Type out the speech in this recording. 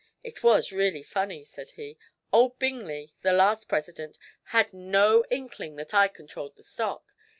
"It was really funny," said he. "Old Bingley, the last president, had no inkling that I controlled the stock.